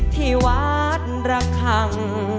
ที่วัดระคัง